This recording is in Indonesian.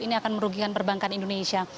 ini akan merugikan perbankan indonesia